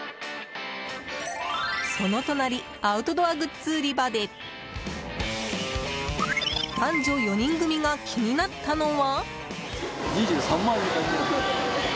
その隣アウトドアグッズ売り場で男女４人組が気になったのは。